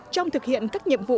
trong thực hiện các nhiệm vụ